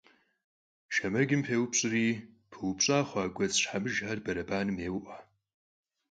Şşemecım pêupş'ri, pıupş'a xhua guedz şhemıjjxer berebanem yê'ue.